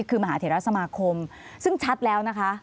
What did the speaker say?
คือมหาเถระสมาคมซึ่งชัดแล้วนะคะ